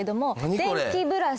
電気ブラシ？